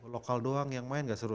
lokal doang yang main gak seru